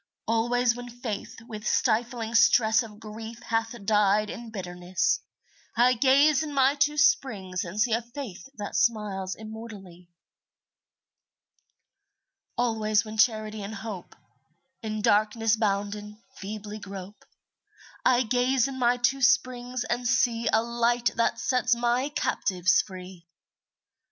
Always when Faith with stifling stress Of grief hath died in bitterness, I gaze in my two springs and see A Faith that smiles immortally. Always when Charity and Hope, In darkness bounden, feebly grope, I gaze in my two springs and see A Light that sets my captives free.